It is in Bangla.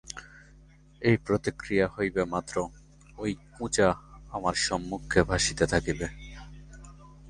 এই প্রতিক্রিয়া হইবামাত্র ঐ কুঁজা আমার সম্মুখে ভাসিতে থাকিবে।